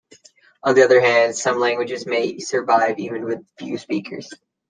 On the other hand, some languages may survive even with few speakers.